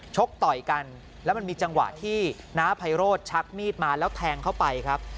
กต่อยกันแล้วมันมีจังหวะที่น้าไพโรธชักมีดมาแล้วแทงเข้าไปครับ